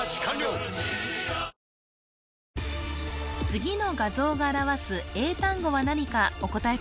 次の画像が表す英単語は何かお答え